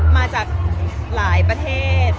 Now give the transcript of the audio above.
มาจากหลายประเทศ